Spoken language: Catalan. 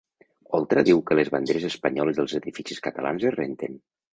Oltra diu que les banderes espanyoles dels edificis catalans es renten